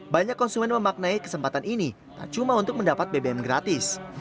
banyak konsumen memaknai kesempatan ini tak cuma untuk mendapat bbm gratis